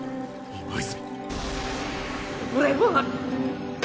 今泉！